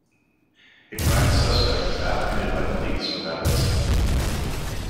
A prime suspect was apprehended by police without incident.